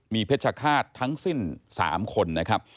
มีเพชรฆาตทั้งสิ้น๓คนนะครับ